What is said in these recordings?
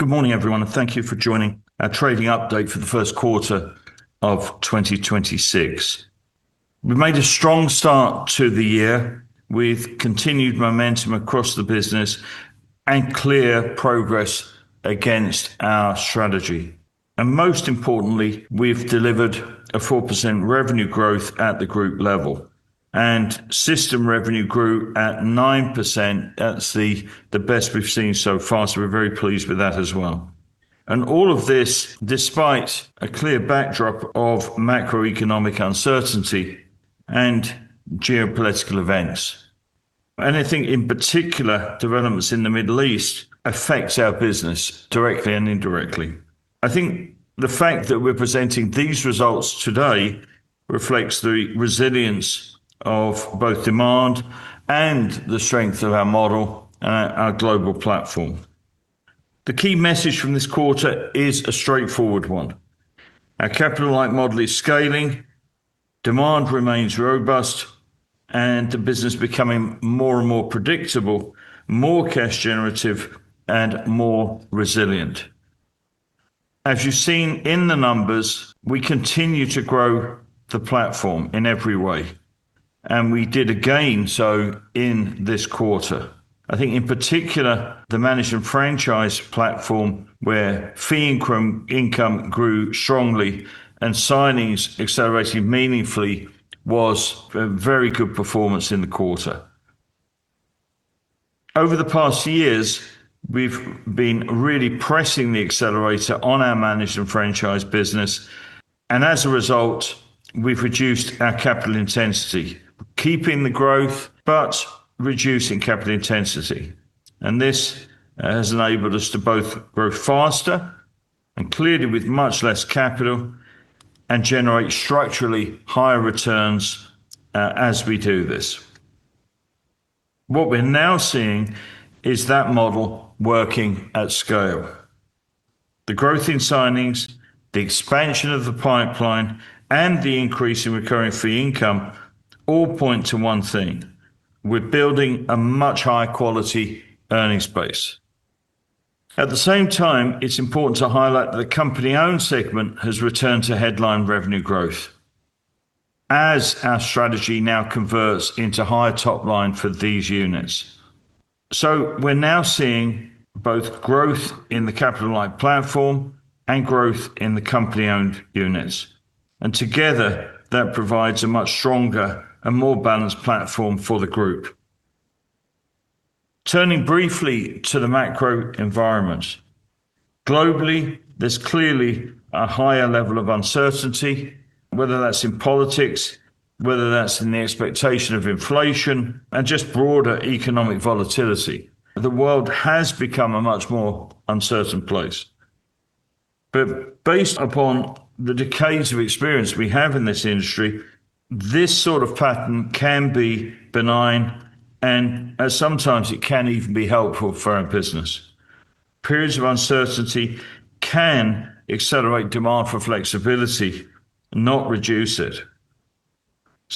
Good morning, everyone, thank you for joining our trading update for Q1 of 2026. We made a strong start to the year with continued momentum across the business and clear progress against our strategy. Most importantly, we've delivered a 4% revenue growth at the group level, and system revenue grew at 9%. That's the best we've seen so far, so we're very pleased with that as well. All of this despite a clear backdrop of macroeconomic uncertainty and geopolitical events. I think in particular, developments in the Middle East affects our business directly and indirectly. I think the fact that we're presenting these results today reflects the resilience of both demand and the strength of our model and our global platform. The key message from this quarter is a straightforward one. Our capital-light model is scaling, demand remains robust, and the business becoming more and more predictable, more cash generative, and more resilient. As you've seen in the numbers, we continue to grow the platform in every way, and we did again so in this quarter. I think in particular, the management franchise platform, where fee income grew strongly and signings accelerated meaningfully, was a very good performance in the quarter. Over the past years, we've been really pressing the accelerator on our managed and franchise business, and as a result, we've reduced our capital intensity. Keeping the growth, Reducing capital intensity. This has enabled us to both grow faster and clearly with much less capital and generate structurally higher returns as we do this. What we're now seeing is that model working at scale. The growth in signings, the expansion of the pipeline, and the increase in recurring fee income all point to one thing: We're building a much higher quality earnings base. At the same time, it's important to highlight the company-owned segment has returned to headline revenue growth as our strategy now converts into higher top line for these units. We're now seeing both growth in the capital-light platform and growth in the company-owned units. Together that provides a much stronger and more balanced platform for the group. Turning briefly to the macro environment. Globally, there's clearly a higher level of uncertainty, whether that's in politics, whether that's in the expectation of inflation and just broader economic volatility. The world has become a much more uncertain place. Based upon the decades of experience we have in this industry, this sort of pattern can be benign, and sometimes it can even be helpful for our business. Periods of uncertainty can accelerate demand for flexibility, not reduce it.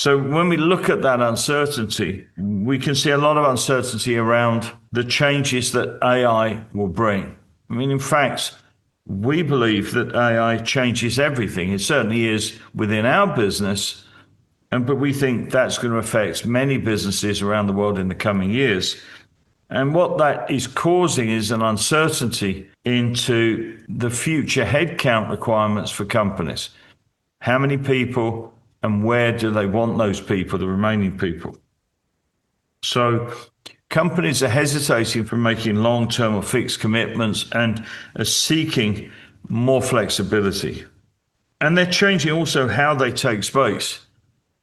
When we look at that uncertainty, we can see a lot of uncertainty around the changes that AI will bring. I mean, in fact, we believe that AI changes everything. It certainly is within our business but we think that's gonna affect many businesses around the world in the coming years. What that is causing is an uncertainty into the future headcount requirements for companies. How many people and where do they want those people, the remaining people? Companies are hesitating from making long-term or fixed commitments and are seeking more flexibility, and they're changing also how they take space,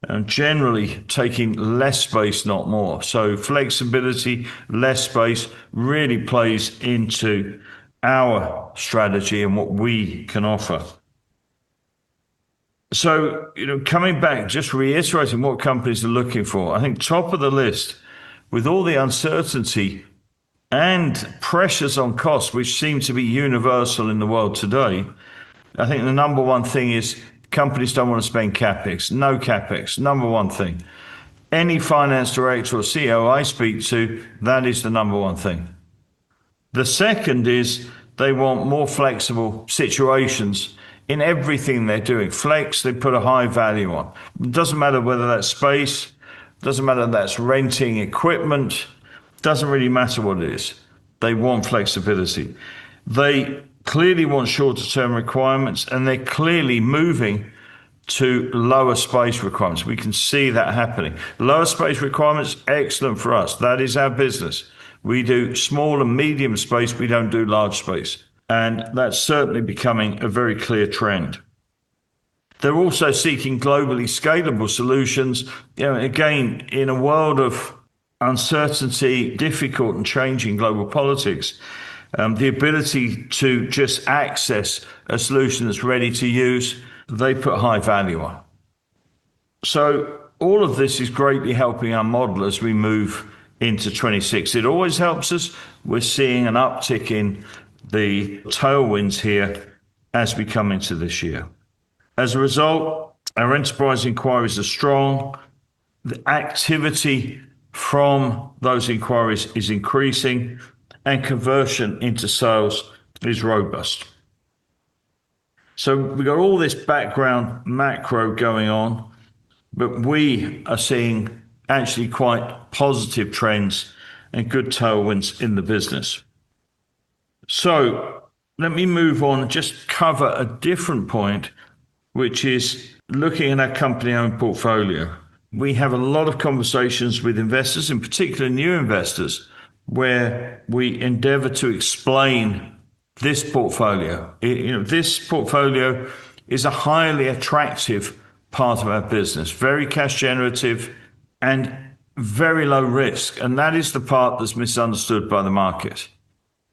and generally taking less space, not more. Flexibility, less space really plays into our strategy and what we can offer. You know, coming back, just reiterating what companies are looking for. I think top of the list, with all the uncertainty and pressures on costs, which seem to be universal in the world today, I think the number one thing is companies don't want to spend CapEx. No CapEx. Number one thing. Any finance director or CEO I speak to, that is the number one thing. The second is they want more flexible situations in everything they're doing. Flex, they put a high value on. It doesn't matter whether that's space, doesn't matter if that's renting equipment, doesn't really matter what it is. They want flexibility. They clearly want shorter term requirements, and they're clearly moving to lower space requirements. We can see that happening. Lower space requirements, excellent for us. That is our business. We do small and medium space. We don't do large space, and that's certainly becoming a very clear trend. They're also seeking globally scalable solutions. You know, again, in a world of uncertainty, difficult and changing global politics, the ability to just access a solution that's ready to use, they put high value on. All of this is greatly helping our model as we move into 2026. It always helps us. We're seeing an uptick in the tailwinds here as we come into this year. As a result, our enterprise inquiries are strong, the activity from those inquiries is increasing, and conversion into sales is robust. We got all this background macro going on, but we are seeing actually quite positive trends and good tailwinds in the business. Let me move on and just cover a different point, which is looking at our company-owned portfolio. We have a lot of conversations with investors, in particular new investors, where we endeavor to explain this portfolio. You know, this portfolio is a highly attractive part of our business. Very cash generative and very low risk, and that is the part that's misunderstood by the market.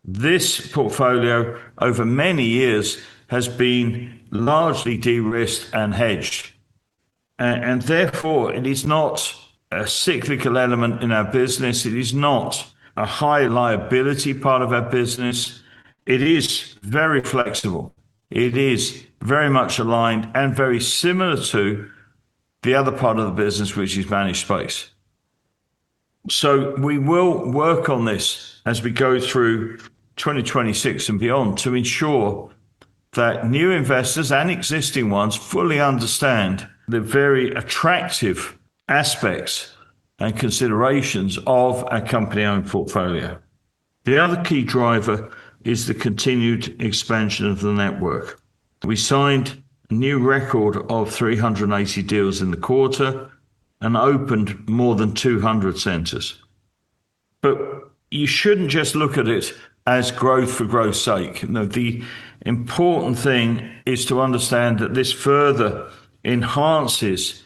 This portfolio over many years has been largely de-risked and hedged. Therefore, it is not a cyclical element in our business. It is not a high liability part of our business. It is very flexible. It is very much aligned and very similar to the other part of the business, which is managed space. We will work on this as we go through 2026 and beyond to ensure that new investors and existing ones fully understand the very attractive aspects and considerations of our company-owned portfolio. The other key driver is the continued expansion of the network. We signed a new record of 380 deals in the quarter and opened more than 200 centers. You shouldn't just look at it as growth for growth's sake. You know, the important thing is to understand that this further enhances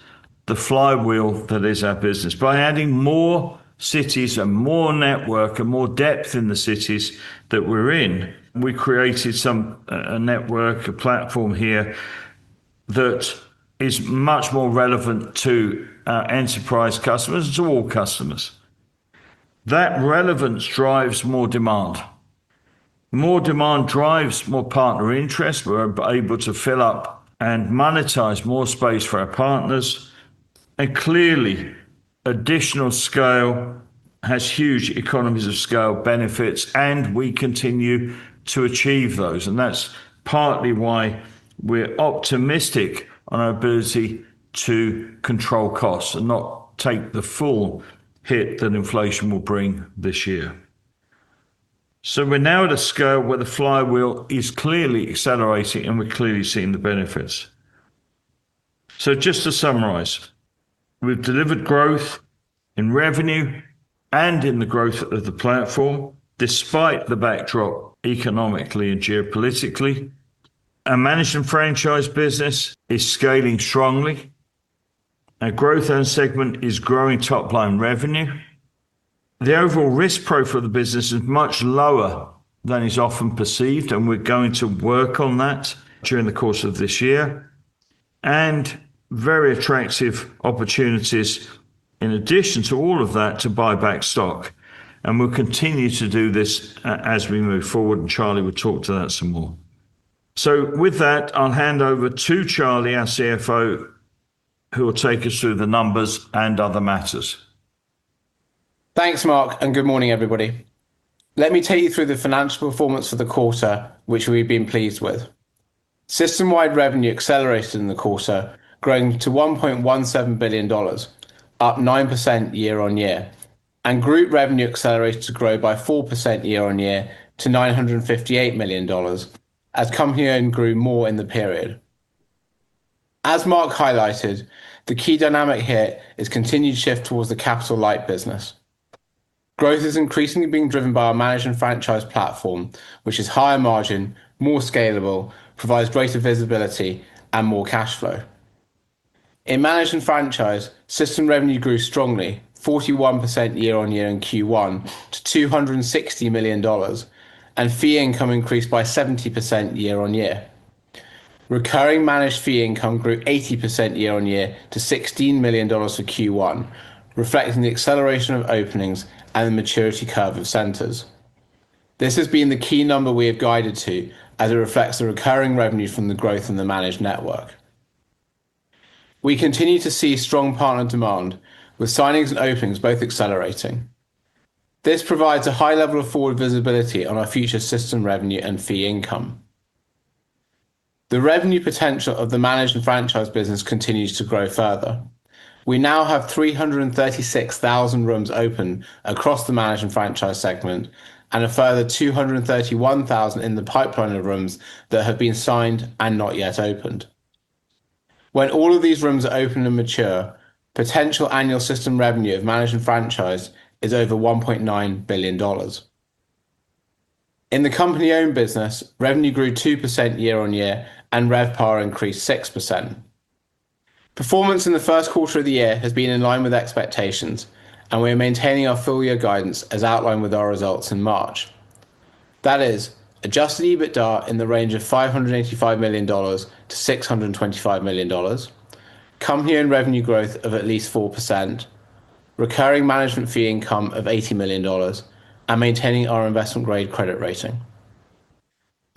the flywheel that is our business. By adding more cities and more network and more depth in the cities that we're in, we created a network, a platform here that is much more relevant to enterprise customers and to all customers. That relevance drives more demand. More demand drives more partner interest. We're able to fill up and monetize more space for our partners. Clearly, additional scale has huge economies of scale benefits, and we continue to achieve those. That's partly why we're optimistic on our ability to control costs and not take the full hit that inflation will bring this year. We're now at a scale where the flywheel is clearly accelerating, and we're clearly seeing the benefits. Just to summarize, we've delivered growth in revenue and in the growth of the platform despite the backdrop economically and geopolitically. Our managed and franchised business is scaling strongly. Our company-owned segment is growing top-line revenue. The overall risk profile of the business is much lower than is often perceived, and we're going to work on that during the course of this year. Very attractive opportunities in addition to all of that to buy back stock. We'll continue to do this as we move forward. Charlie will talk to that some more. With that, I'll hand over to Charlie, our CFO, who will take us through the numbers and other matters. Thanks, Mark. Good morning, everybody. Let me take you through the financial performance for the quarter, which we've been pleased with. System-wide revenue accelerated in the quarter, growing to $1.17 billion, up 9% year-on-year. Group revenue accelerated to grow by 4% year-on-year to $958 million as company-owned grew more in the period. As Mark highlighted, the key dynamic here is continued shift towards the capital-light business. Growth is increasingly being driven by our managed and franchised platform, which is higher margin, more scalable, provides greater visibility and more cash flow. In managed and franchised, system revenue grew strongly, 41% year-on-year in Q1 to $260 million, and fee income increased by 70% year-on-year. Recurring managed fee income grew 80% year-on-year to GBP 16 million for Q1, reflecting the acceleration of openings and the maturity curve of centers. This has been the key number we have guided to, as it reflects the recurring revenue from the growth in the managed network. We continue to see strong partner demand, with signings and openings both accelerating. This provides a high level of forward visibility on our future system revenue and fee income. The revenue potential of the managed and franchised business continues to grow further. We now have 336,000 rooms open across the managed and franchised segment, and a further 231,000 in the pipeline of rooms that have been signed and not yet opened. When all of these rooms are open and mature, potential annual system revenue of managed and franchised is over $1.9 billion. In the company-owned business, revenue grew 2% year-over-year, and RevPAR increased 6%. Performance in the first quarter of the year has been in line with expectations, and we are maintaining our full year guidance as outlined with our results in March. That is, adjusted EBITDA in the range of $585 million-$625 million, and revenue growth of at least 4%. Recurring managed fee income of $80 million, and maintaining our investment grade credit rating.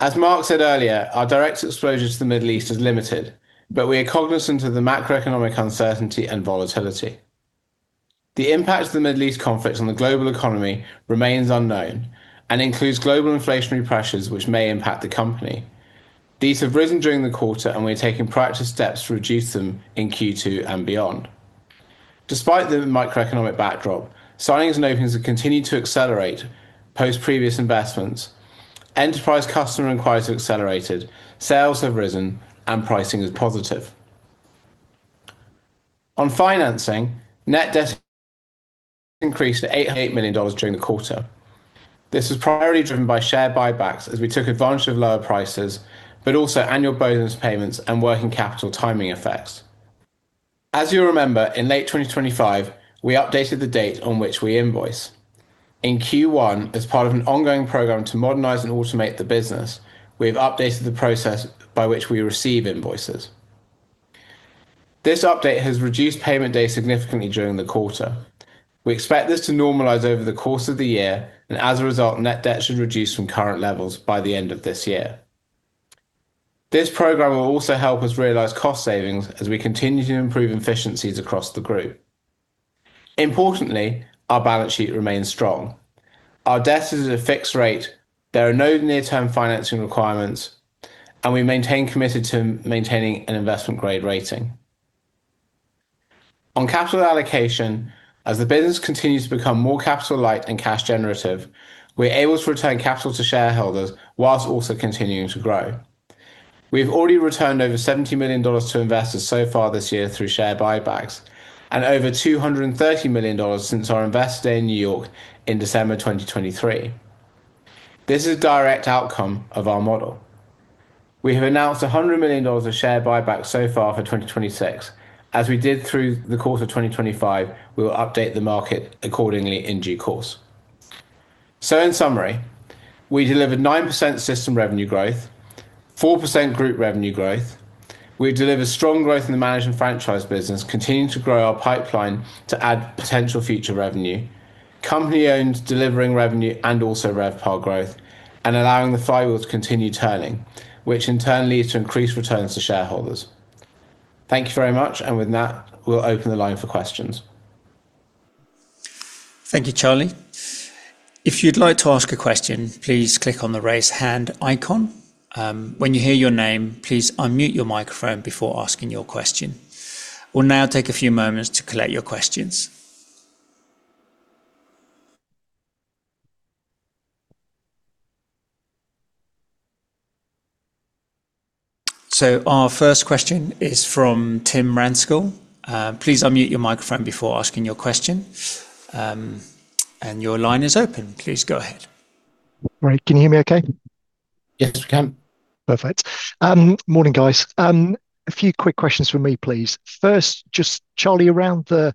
As Mark said earlier, our direct exposure to the Middle East is limited, but we are cognizant of the macroeconomic uncertainty and volatility. The impact of the Middle East conflict on the global economy remains unknown and includes global inflationary pressures which may impact the company. These have risen during the quarter. We're taking proactive steps to reduce them in Q2 and beyond. Despite the macroeconomic backdrop, signings and openings have continued to accelerate post previous investments. Enterprise customer inquiries have accelerated, sales have risen, and pricing is positive. On financing, net debt increased to $8 million during the quarter. This was primarily driven by share buybacks as we took advantage of lower prices, but also annual bonus payments and working capital timing effects. As you remember, in late 2025, we updated the date on which we invoice. In Q1, as part of an ongoing program to modernize and automate the business, we've updated the process by which we receive invoices. This update has reduced payment days significantly during the quarter. We expect this to normalize over the course of the year. As a result, net debt should reduce from current levels by the end of this year. This program will also help us realize cost savings as we continue to improve efficiencies across the group. Importantly, our balance sheet remains strong. Our debt is at a fixed rate, there are no near-term financing requirements, and we maintain committed to maintaining an investment grade rating. On capital allocation, as the business continues to become more capital-light and cash generative, we're able to return capital to shareholders whilst also continuing to grow. We've already returned over GBP 70 million to investors so far this year through share buybacks, and over GBP 230 million since our Investor Day in New York in December 2023. This is a direct outcome of our model. We have announced a $100 million share buyback so far for 2026. As we did through the course of 2025, we will update the market accordingly in due course. In summary, we delivered 9% system revenue growth, 4% group revenue growth. We've delivered strong growth in the managed and franchised business, continuing to grow our pipeline to add potential future revenue. Company-owned delivering revenue and also RevPAR growth, and allowing the flywheel to continue turning, which in turn leads to increased returns to shareholders. Thank you very much. With that, we'll open the line for questions. Thank you, Charlie. If you'd like to ask a question, please click on the Raise Hand icon. When you hear your name, please unmute your microphone before asking your question. We'll now take a few moments to collect your questions. Our first question is from Tim Ramskill. Please unmute your microphone before asking your question. Your line is open. Please go ahead. Right. Can you hear me okay? Yes, we can. Perfect. Morning, guys. A few quick questions from me, please. First, just Charlie, around the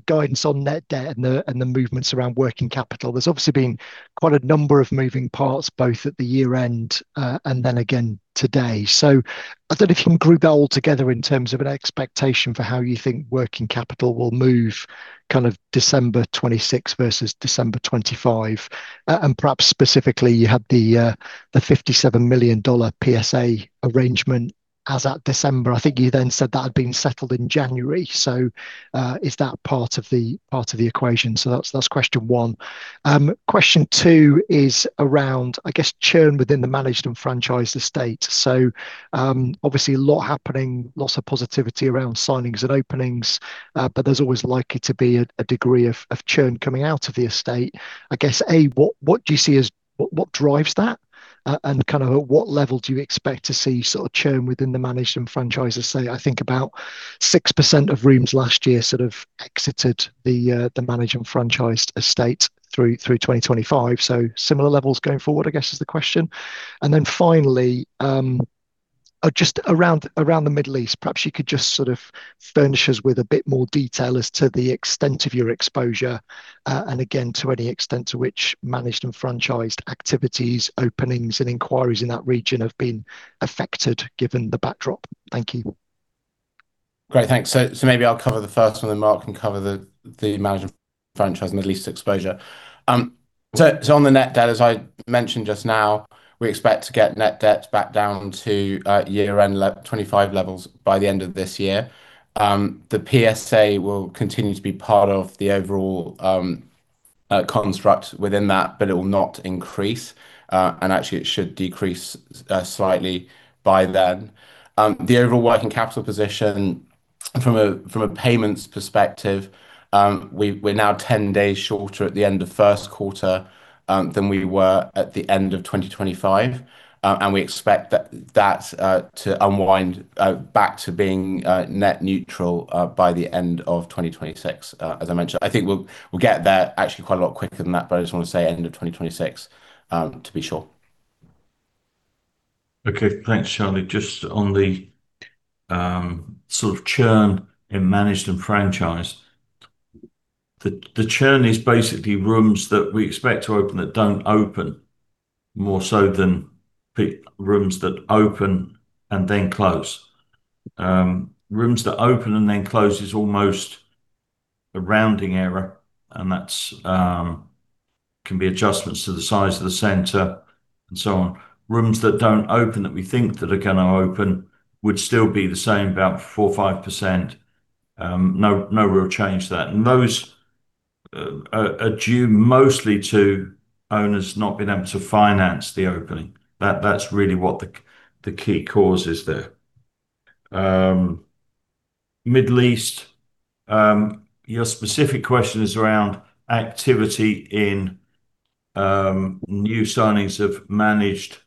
guidance on net debt and the movements around working capital. There's obviously been quite a number of moving parts, both at the year-end, and then again today. I don't know if you can group that all together in terms of an expectation for how you think working capital will move kind of December 26 versus December 25. Perhaps specifically, you had the $57 million PSA arrangement as at December. I think you then said that had been settled in January. Is that part of the equation? That's question one. Question two is around, I guess, churn within the managed and franchised estate. Obviously a lot happening, lots of positivity around signings and openings, but there's always likely to be a degree of churn coming out of the estate. I guess, A, what do you see as what drives that? Kind of at what level do you expect to see sort of churn within the managed and franchised estate? I think about 6% of rooms last year sort of exited the managed and franchised estate through 2025. Similar levels going forward, I guess, is the question. Finally, just around the Middle East, perhaps you could just sort of furnish us with a bit more detail as to the extent of your exposure, and again, to any extent to which managed and franchised activities, openings and inquiries in that region have been affected given the backdrop. Thank you. Great. Thanks. Maybe I'll cover the first one, then Mark can cover the managed and franchised Middle East exposure. On the net debt, as I mentioned just now, we expect to get net debt back down to year-end 2025 levels by the end of this year. The PSA will continue to be part of the overall construct within that, but it will not increase. Actually it should decrease slightly by then. The overall working capital position from a payments perspective, we're now 10 days shorter at the end of Q1 than we were at the end of 2025. We expect that to unwind back to being net neutral by the end of 2026, as I mentioned. I think we'll get there actually quite a lot quicker than that, but I just wanna say end of 2026, to be sure. Okay. Thanks, Charlie. Just on the sort of churn in managed and franchised. The churn is basically rooms that we expect to open that don't open more so than rooms that open and then close. Rooms that open and then close is almost a rounding error, and that's can be adjustments to the size of the center and so on. Rooms that don't open that we think that are gonna open would still be the same, about 4%-5%. No real change to that. Those are due mostly to owners not being able to finance the opening. That's really what the key cause is there. Middle East, your specific question is around activity in new signings of managed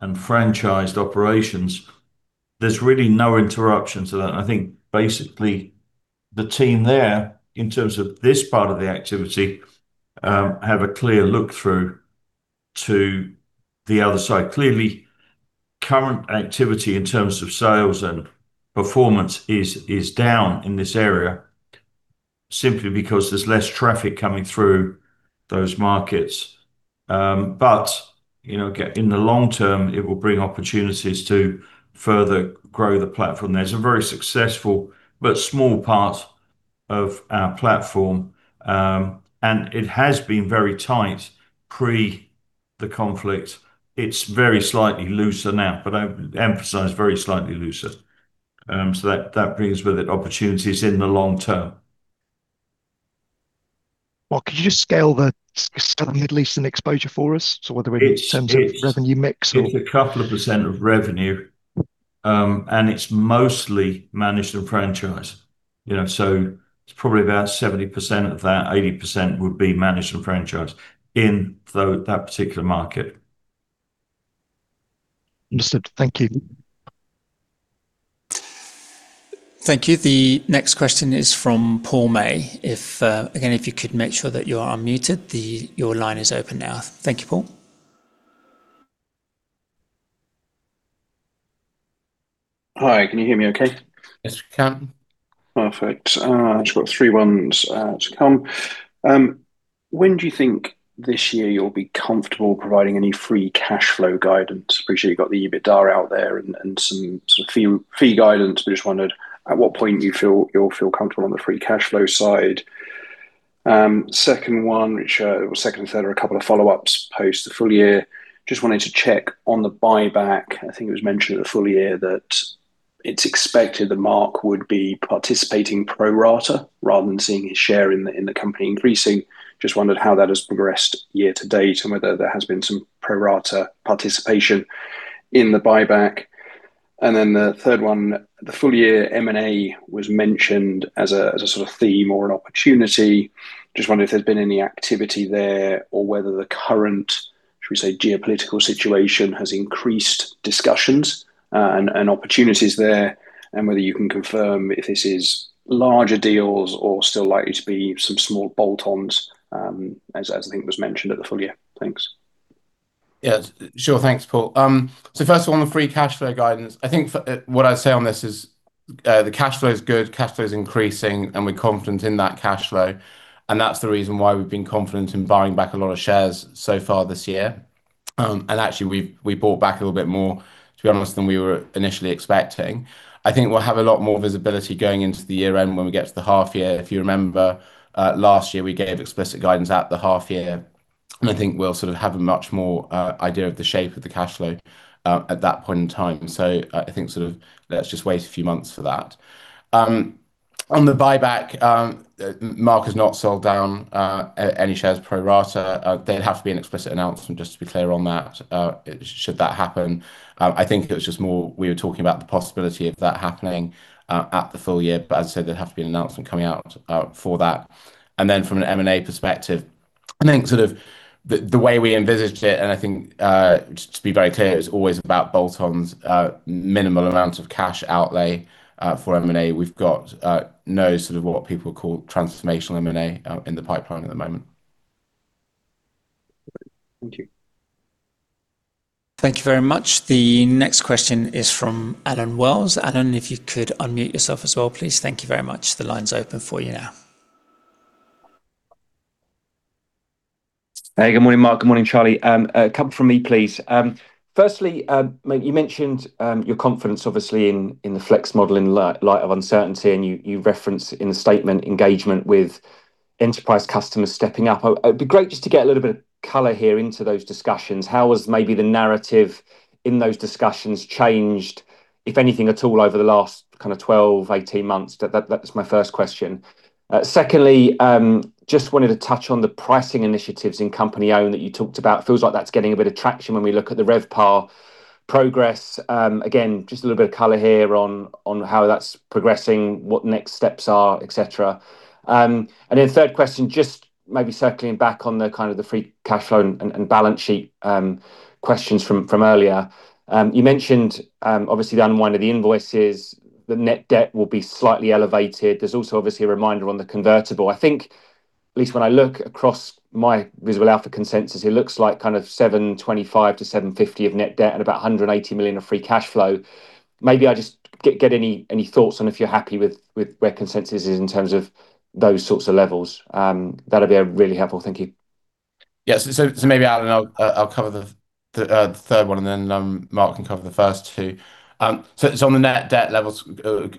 and franchised operations. There's really no interruption to that. I think basically the team there, in terms of this part of the activity, have a clear look through to the other side. Clearly, current activity in terms of sales and performance is down in this area simply because there's less traffic coming through those markets. You know, again, in the long term it will bring opportunities to further grow the platform. There's a very successful but small part of our platform, and it has been very tight pre the conflict. It's very slightly looser now, but I emphasize very slightly looser. That brings with it opportunities in the long term. Well, could you just scale the Southern Middle Eastern exposure for us, whether it's in terms of revenue mix or? It's a couple of percent of revenue, it's mostly managed and franchised. You know? It's probably about 70% of that, 80% would be managed and franchised in that particular market. Understood. Thank you. Thank you. The next question is from Paul May. If, again, if you could make sure that you are unmuted. Your line is open now. Thank you, Paul. Hi. Can you hear me okay? Yes, we can. Perfect. Just got three ones to come. When do you think this year you'll be comfortable providing any free cash flow guidance? Appreciate you got the EBITDA out there and some sort of fee guidance, just wondered at what point you feel you'll feel comfortable on the free cash flow side? Second one, which, or second and third are a couple of follow-ups post the full year. Just wanted to check on the buyback. I think it was mentioned at the full year that it's expected that Mark would be participating pro rata rather than seeing his share in the company increasing. Just wondered how that has progressed year to date, whether there has been some pro rata participation in the buyback. The third one, the full year M&A was mentioned as a sort of theme or an opportunity. Just wondering if there's been any activity there or whether the current, should we say, geopolitical situation has increased discussions and opportunities there, and whether you can confirm if this is larger deals or still likely to be some small bolt-ons, as I think was mentioned at the full year. Thanks. Thanks, Paul. First of all, on the free cash flow guidance, what I'd say on this is, the cash flow is good, cash flow is increasing, and we're confident in that cash flow, and that's the reason why we've been confident in buying back a lot of shares so far this year. Actually, we've bought back a little bit more, to be honest, than we were initially expecting. I think we'll have a lot more visibility going into the year-end when we get to the half year. If you remember, last year, we gave explicit guidance at the half year, I think we'll sort of have a much more idea of the shape of the cash flow at that point in time. I think sort of let's just wait a few months for that. On the buyback, Mark has not sold down any shares pro rata. There'd have to be an explicit announcement just to be clear on that, should that happen. I think it was just more we were talking about the possibility of that happening at the full year, but as I said, there'd have to be an announcement coming out for that. From an M&A perspective, I think sort of the way we envisaged it, and I think to be very clear, it was always about bolt-ons, minimal amounts of cash outlay for M&A. We've got no sort of what people call transformational M&A out in the pipeline at the moment. Thank you. Thank you very much. The next question is from [Arden Wells]. [Arden], if you could unmute yourself as well, please. Thank you very much. The line's open for you now. Hey. Good morning, Mark. Good morning, Charlie. A couple from me, please. Firstly, maybe you mentioned your confidence obviously in the flex model in light of uncertainty, and you referenced in the statement engagement with enterprise customers stepping up. It'd be great just to get a little bit of color here into those discussions. How has maybe the narrative in those discussions changed, if anything at all, over the last kind of 12, 18 months? That was my first question. Secondly, just wanted to touch on the pricing initiatives in company-owned that you talked about. Feels like that's getting a bit of traction when we look at the RevPAR progress. Again, just a little bit of color here on how that's progressing, what next steps are, et cetera. Third question, just maybe circling back on the kind of the free cash flow and balance sheet questions from earlier. You mentioned, obviously the unwind of the invoices, the net debt will be slightly elevated. There's also obviously a reminder on the convertible. I think at least when I look across my Visible Alpha consensus, it looks like kind of 725 million-750 million of net debt and about 180 million of free cash flow. Maybe I just get any thoughts on if you're happy with where consensus is in terms of those sorts of levels. That'd be really helpful. Thank you. Yes. Maybe [Arden], I'll cover the third one and then Mark can cover the first two. On the net debt levels,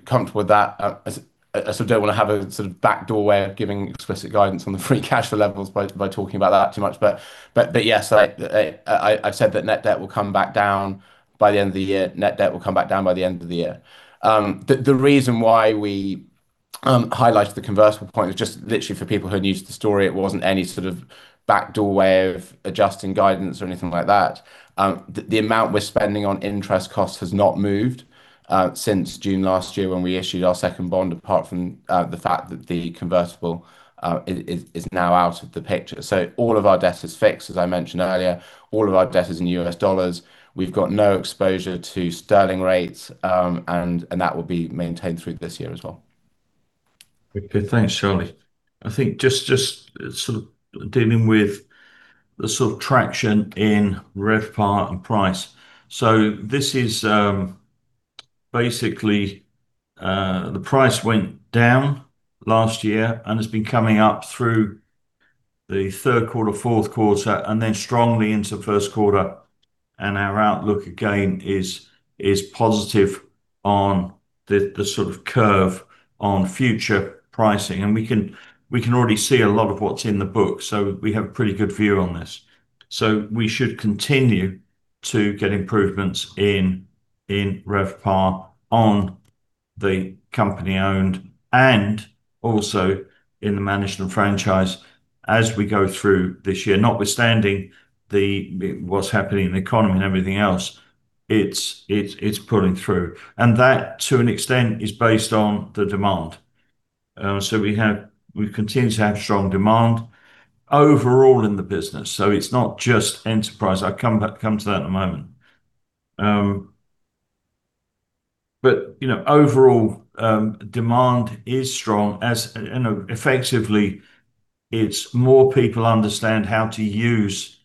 comfortable with that. I sort of don't want to have a sort of backdoor way of giving explicit guidance on the free cash flow levels by talking about that too much. Yes, I've said that net debt will come back down by the end of the year. The reason why we highlighted the convertible point was just literally for people who'd used the story. It wasn't any sort of backdoor way of adjusting guidance or anything like that. The amount we're spending on interest costs has not moved, since June last year when we issued our second bond, apart from the fact that the convertible is now out of the picture. All of our debt is fixed, as I mentioned earlier. All of our debt is in U.S. dollars. We've got no exposure to sterling rates, that will be maintained through this year as well. Okay. Thanks, Charlie. I think just sort of dealing with the sort of traction in RevPAR and price. This is basically the price went down last year and has been coming up through the third quarter, fourth quarter, and then strongly into first quarter. Our outlook again is positive on the sort of curve on future pricing. We can already see a lot of what's in the book, so we have a pretty good view on this. We should continue to get improvements in RevPAR on the company-owned and also in the managed and franchised as we go through this year. Notwithstanding what's happening in the economy and everything else, it's pulling through. That, to an extent, is based on the demand. We have, we continue to have strong demand overall in the business. It's not just enterprise. I come to that in a moment. You know, overall, demand is strong as, and effectively, it's more people understand how to use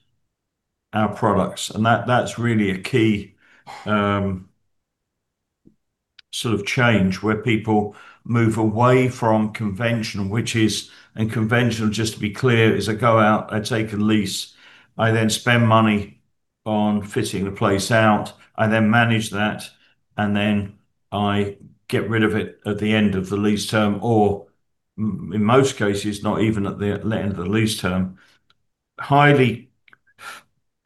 our products, and that's really a key sort of change where people move away from conventional, which is, and conventional, just to be clear, is I go out, I take a lease, I then spend money on fitting the place out, I then manage that, and then I get rid of it at the end of the lease term, or in most cases, not even at the end of the lease term. Highly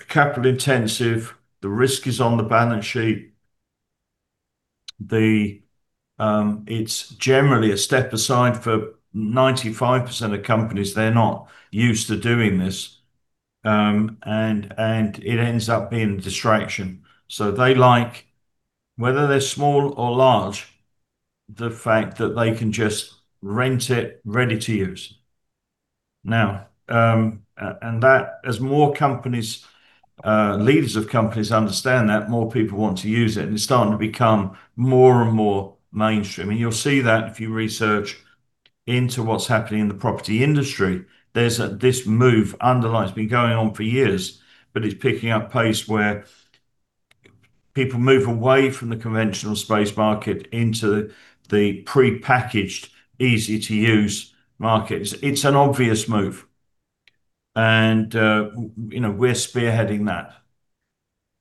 capital-intensive. The risk is on the balance sheet. It's generally a step aside for 95% of companies. They're not used to doing this. It ends up being a distraction. They like, whether they're small or large, the fact that they can just rent it ready to use now. That as more companies, leaders of companies understand that, more people want to use it, and it's starting to become more and more mainstream. You'll see that if you research into what's happening in the property industry. There's this move underlying. It's been going on for years, but it's picking up pace where people move away from the conventional space market into the prepackaged, easy-to-use markets. It's an obvious move. We're spearheading that,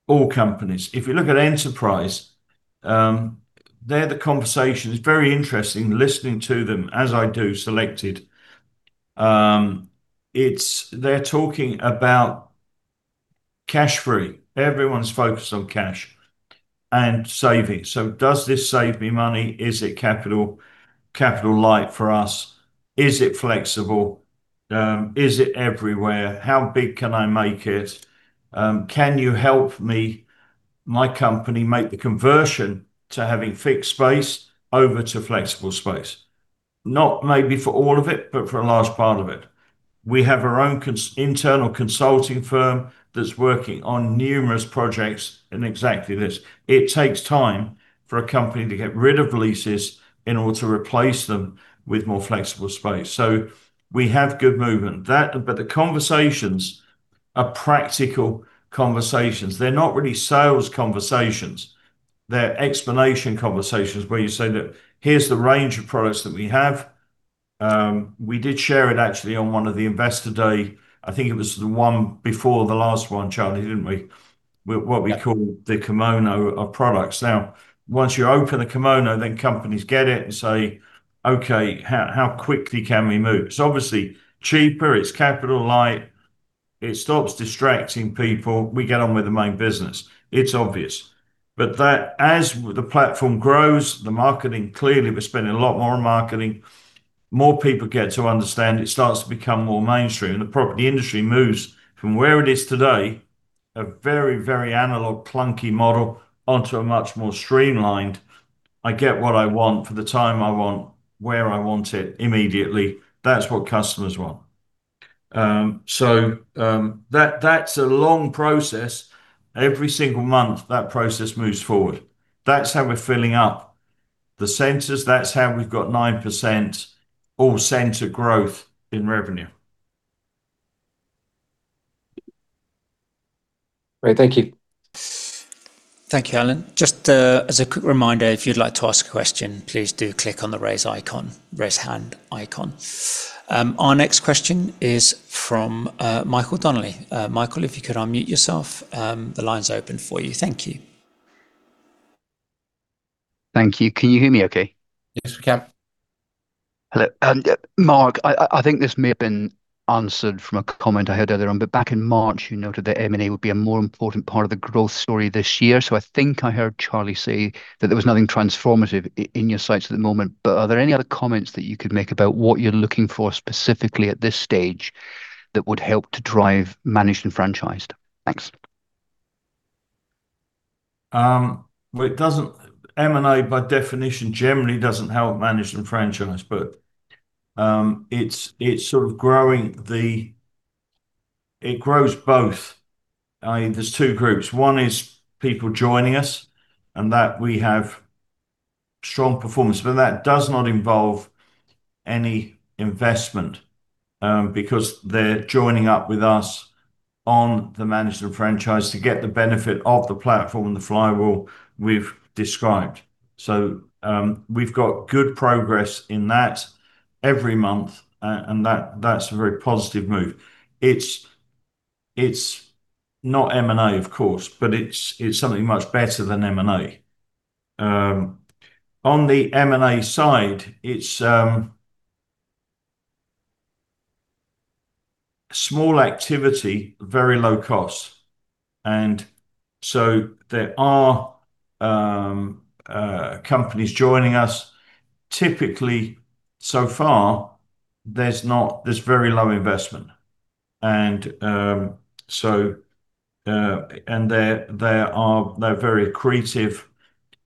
all companies. If you look at enterprise, they're the conversation. It's very interesting listening to them as I do selected. They're talking about cash free. Everyone's focused on cash and saving. Does this save me money? Is it capital-light for us? Is it flexible? Is it everywhere? How big can I make it? Can you help me, my company make the conversion to having fixed space over to flexible space? Not maybe for all of it, but for a large part of it. We have our own internal consulting firm that's working on numerous projects in exactly this. It takes time for a company to get rid of leases in order to replace them with more flexible space. We have good movement. The conversations are practical conversations. They're not really sales conversations. They're explanation conversations where you say, "Look, here's the range of products that we have." We did share it actually on one of the Investor Day. I think it was the one before the last one, Charlie, didn't we? With what we call the kimono of products. Once you open the kimono, companies get it and say, "Okay, how quickly can we move?" It's obviously cheaper. It's capital-light. It stops distracting people. We get on with the main business. It's obvious. As the platform grows, the marketing, clearly we're spending a lot more on marketing. More people get to understand. It starts to become more mainstream. The property industry moves from where it is today, a very analog clunky model onto a much more streamlined, "I get what I want for the time I want, where I want it immediately." That's what customers want. That's a long process. Every single month, that process moves forward. That's how we're filling up the centers. That's how we've got 9% all center growth in revenue. Great. Thank you. Thank you, [Arden]. Just as a quick reminder, if you'd like to ask a question, please do click on the Raise icon, Raise Hand icon. Our next question is from Michael Donnelly. Michael, if you could unmute yourself, the line's open for you. Thank you. Thank you. Can you hear me okay? Yes, we can. Hello. Mark, I think this may have been answered from a comment I heard earlier on. Back in March you noted that M&A would be a more important part of the growth story this year. I think I heard Charlie say that there was nothing transformative in your sights at the moment. Are there any other comments that you could make about what you're looking for specifically at this stage that would help to drive managed and franchised? Thanks. It doesn't M&A by definition generally doesn't help managed and franchised, it's sort of it grows both. I mean, there's two groups. One is people joining us, that we have strong performance, that does not involve any investment, because they're joining up with us on the managed and franchised to get the benefit of the platform and the flywheel we've described. We've got good progress in that every month. That's a very positive move. It's not M&A of course, it's something much better than M&A. On the M&A side, it's small activity, very low cost, there are companies joining us. Typically, so far there's very low investment. They're very accretive,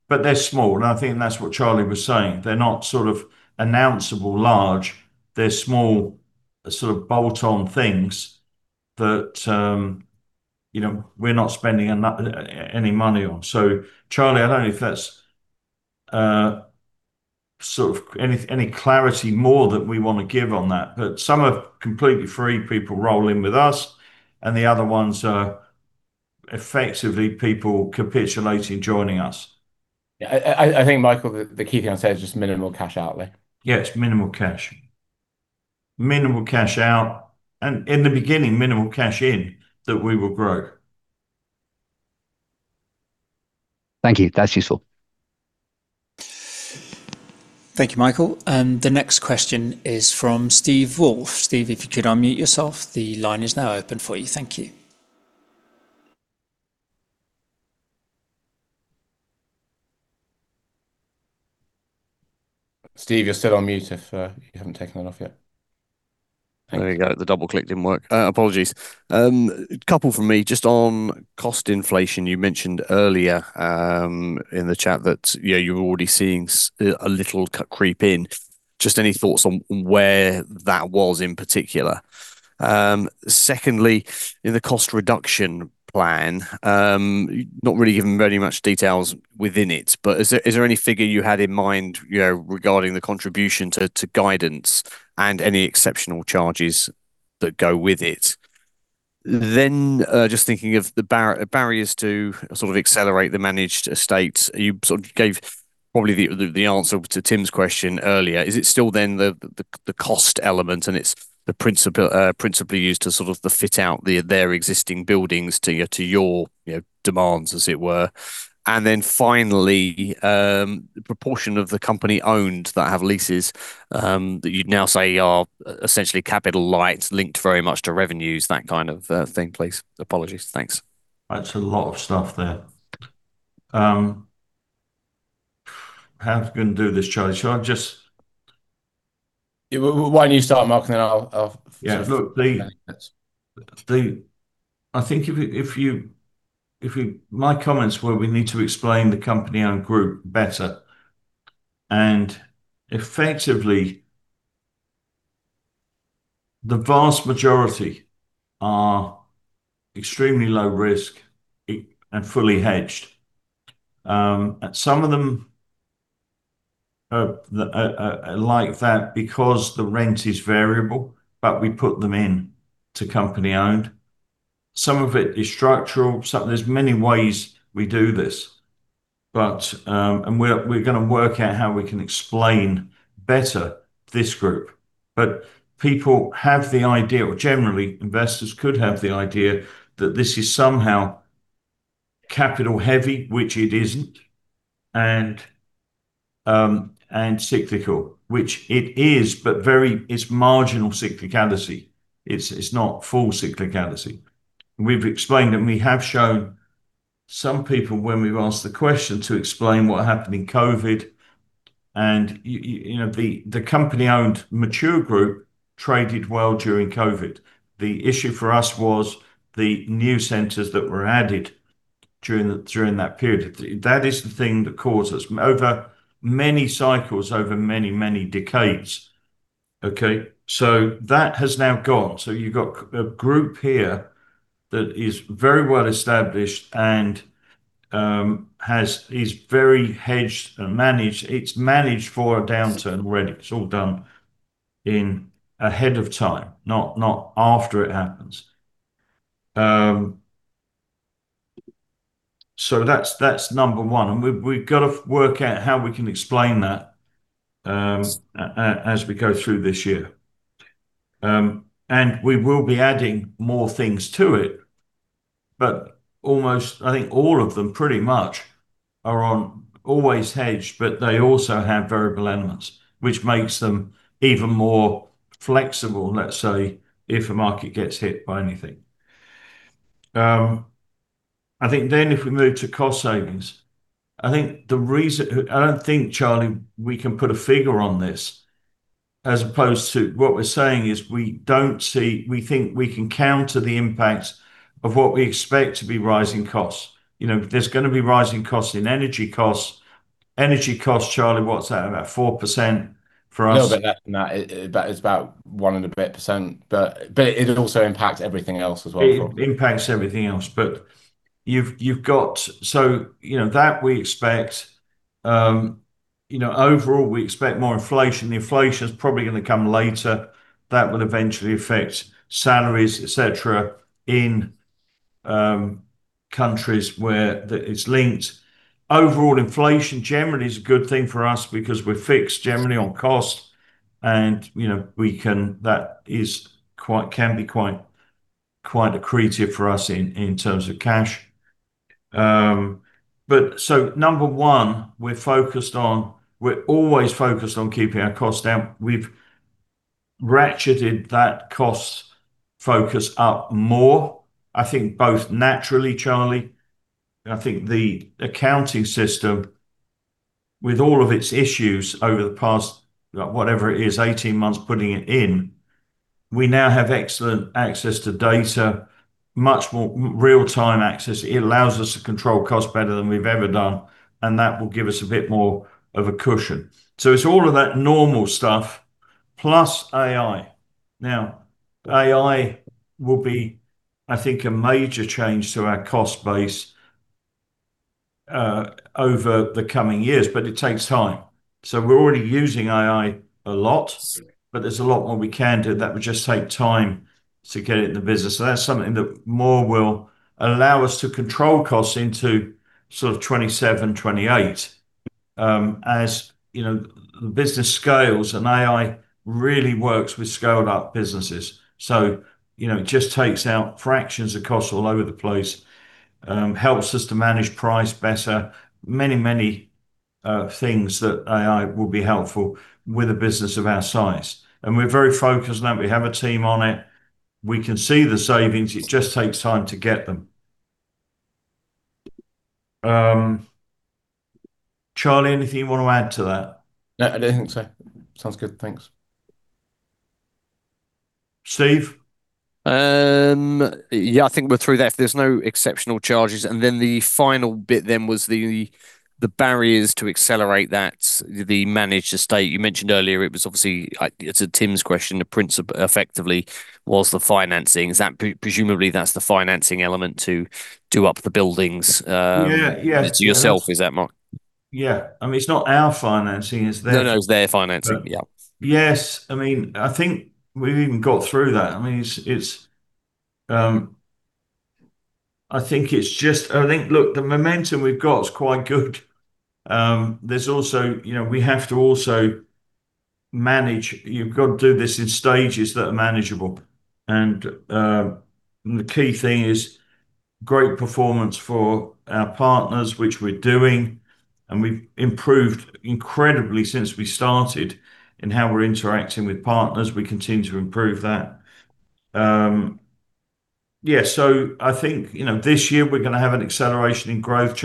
but they're small, and I think that's what Charlie was saying. They're not sort of announceable large. They're small sort of bolt-on things that, you know, we're not spending any money on. Charlie, I don't know if that's sort of any clarity more that we want to give on that. Some are completely free people rolling with us, and the other ones are effectively people capitulating joining us. Yeah. I think, Michael, the key thing I'd say is just minimal cash outlay. Yeah, it's minimal cash. Minimal cash out and, in the beginning, minimal cash in that we will grow. Thank you. That's useful. Thank you, Michael. The next question is from Steve Woolf. Steve, if you could unmute yourself, the line is now open for you. Thank you. Steve, you're still on mute if you haven't taken that off yet. There we go. The double click didn't work. Apologies. Couple from me. Just on cost inflation, you mentioned earlier in the chat that, yeah, you're already seeing a little creep in. Just any thoughts on where that was in particular? Secondly, in the cost reduction plan, not really giving very much details within it, but is there any figure you had in mind, you know, regarding the contribution to guidance and any exceptional charges that go with it? Just thinking of the barriers to sort of accelerate the managed estate. You sort of gave probably the answer to Tim's question earlier. Is it still then the cost element and it's principally used to sort of the fit out their existing buildings to your, you know, demands as it were? Finally, the proportion of the company-owned that have leases, that you'd now say are essentially capital-light linked very much to revenues, that kind of, thing, please. Apologies. Thanks. That's a lot of stuff there. How are we gonna do this, Charlie? Yeah. Why don't you start, Mark, and then I'll— Yeah. Look, Steve— My comments were we need to explain the company and group better, and effectively the vast majority are extremely low risk and fully hedged. Some of them are like that because the rent is variable, but we put them in to company-owned. Some of it is structural. There's many ways we do this, but we're gonna work out how we can explain better this group. People have the idea, or generally investors could have the idea that this is somehow capital heavy, which it isn't, and cyclical, which it is, but it's marginal cyclicality. It's, it's not full cyclicality. We've explained and we have shown some people when we've asked the question to explain what happened in COVID and you know, the company-owned mature group traded well during COVID. The issue for us was the new centers that were added during that period. That is the thing that caused us over many cycles, over many, many decades. Okay. That has now gone. You've got a group here that is very well established and is very hedged and managed. It's managed for a downturn already. It's all done in ahead of time, not after it happens. That's number one, and we've gotta work out how we can explain that as we go through this year. We will be adding more things to it, but almost I think all of them pretty much are on always hedged, but they also have variable elements, which makes them even more flexible, let's say, if a market gets hit by anything. If we move to cost savings, I think the reason I don't think, Charlie, we can put a figure on this as opposed to what we're saying is we think we can counter the impacts of what we expect to be rising costs. You know, there's gonna be rising costs in energy costs. Energy costs, Charlie, what's that? About 4% for us? No, but that is about one and a bit percent. It'll also impact everything else as well, probably. It impacts everything else. You've got, you know, that we expect, you know, overall we expect more inflation. The inflation's probably gonna come later. That would eventually affect salaries, et cetera, in countries where it's linked. Overall inflation generally is a good thing for us because we're fixed generally on cost, you know, can be quite accretive for us in terms of cash. Number one, we're always focused on keeping our costs down. We've ratcheted that cost focus up more, I think both naturally, Charlie. I think the accounting system with all of its issues over the past, like whatever it is, 18 months putting it in, we now have excellent access to data, much more real-time access. It allows us to control costs better than we've ever done. That will give us a bit more of a cushion. It's all of that normal stuff, plus AI. AI will be, I think, a major change to our cost base over the coming years, but it takes time. We're already using AI a lot- Yes. There's a lot more we can do that would just take time to get it in the business. That's something that more will allow us to control costs into sort of 2027, 2028. As, you know, the business scales and AI really works with scaled up businesses. You know, it just takes out fractions of costs all over the place, helps us to manage price better. Many, many things that AI will be helpful with a business of our size, and we're very focused on it. We have a team on it. We can see the savings, it just takes time to get them. Charlie, anything you want to add to that? No, I don't think so. Sounds good. Thanks. Steve? Yeah, I think we're through that. There's no exceptional charges. The final bit then was the barriers to accelerate that, the managed estate. You mentioned earlier it was obviously, to Tim's question, effectively was the financing. Is that presumably that's the financing element to do up the buildings— Yeah. Yeah. —to yourself, is that Mark? Yeah. I mean, it's not our financing, it's theirs. No, no, it's their financing. Yeah. Yes. I mean, I think we've even got through that. I mean, it's, I think it's just, look, the momentum we've got is quite good. There's also, you know, we have to also manage You've got to do this in stages that are manageable, and the key thing is great performance for our partners, which we're doing, and we've improved incredibly since we started in how we're interacting with partners. We continue to improve that. Yeah, so I think, you know, this year we're gonna have an acceleration in growth,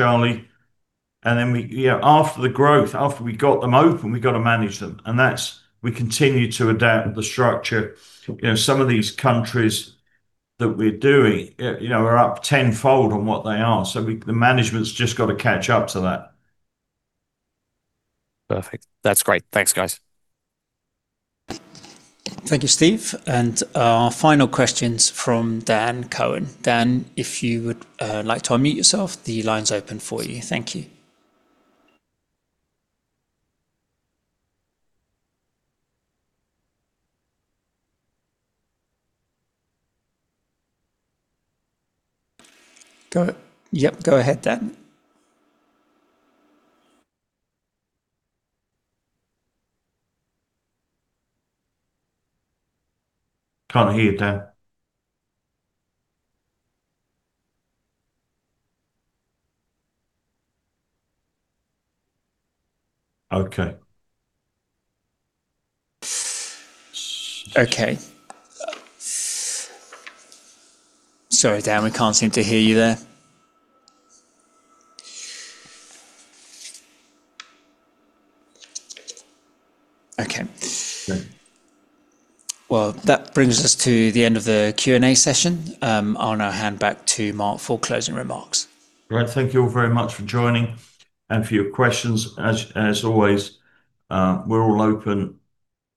Charlie, then we, you know, after the growth, after we got them open, we gotta manage them, and that's we continue to adapt the structure. You know, some of these countries that we're doing, you know, are up tenfold on what they are, so we, the management's just gotta catch up to that. Perfect. That's great. Thanks, guys. Thank you, Steve. Our final question's from Daniel Cowan. Dan, if you would, like to unmute yourself, the line's open for you. Thank you. Go Yep. Go ahead, Dan. Can't hear you, Daniel Cowan. Okay. Okay. Sorry, Dan, we can't seem to hear you there. Okay. Okay. Well, that brings us to the end of the Q&A session. I'll now hand back to Mark for closing remarks. Great. Thank you all very much for joining and for your questions. As always, we're all open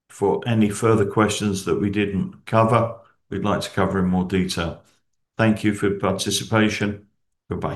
for any further questions that we didn't cover we'd like to cover in more detail. Thank you for your participation. Bye-bye.